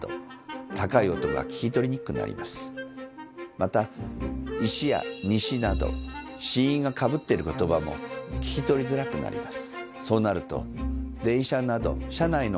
また「石」や「西」など子音がかぶっている言葉も聞き取りづらくなります。